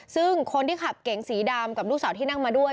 ซึ่งคนที่ขับเก๋งสีดำกับลูกสาวที่นั่งมาด้วย